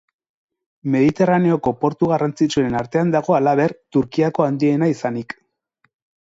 Mediterraneoko portu garrantzitsuenen artean dago halaber, Turkiako handiena izanik.